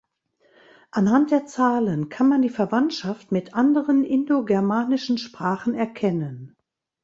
Anhand der Zahlen kann man die Verwandtschaft mit anderen indogermanischen Sprachen erkennen.